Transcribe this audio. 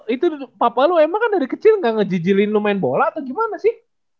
itu papa lu emang kan dari kecil gak ngejijilin lu main bola atau gimana sih